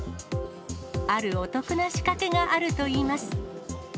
あるお得な仕掛けがあるといいます。